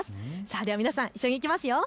では皆さん、一緒に行きますよ。